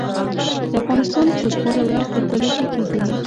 د افغانستان فوټبال ورځ تر بلې ښه کیږي.